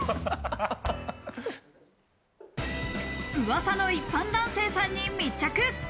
噂の一般人男性さんに密着。